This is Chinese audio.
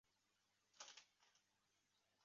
文献里常见到两种电势的多极展开方法。